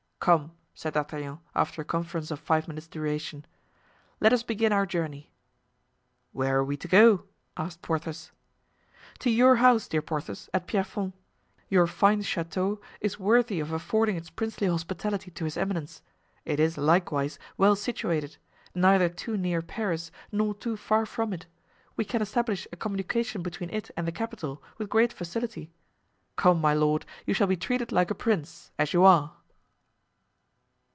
"Come," said D'Artagnan, after a conference of five minutes' duration, "let us begin our journey." "Where are we to go?" asked Porthos. "To your house, dear Porthos, at Pierrefonds; your fine chateau is worthy of affording its princely hospitality to his eminence; it is, likewise, well situated—neither too near Paris, nor too far from it; we can establish a communication between it and the capital with great facility. Come, my lord, you shall be treated like a prince, as you are."